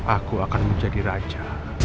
aku akan menjadi raja